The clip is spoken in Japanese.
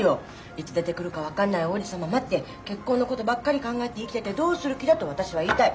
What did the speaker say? いつ出てくるか分かんない王子様待って結婚のことばっかり考えて生きててどうする気だと私は言いたい。